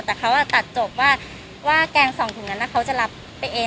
แต่เขาตัดจบว่าแกง๒ถุงนั้นเขาจะรับไปเอง